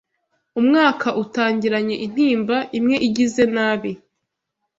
umwaka utangiranye intimba, imwe igize nabi,